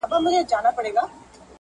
پر دې بنیاد زه خبره کوم